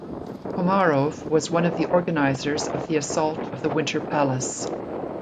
Komarov was one of the organisers of the assault of the Winter Palace.